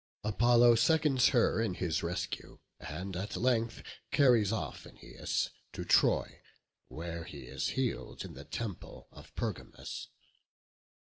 Apollo seconds her in his rescue, and, at length, carries off Æneas to Troy, where he is healed in the temple of Pergamus.